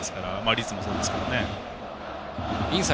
率もそうですけどね。